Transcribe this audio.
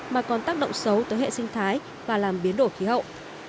mà còn tác động xấu tới hệ sinh thái và làm biến đổi khí hậu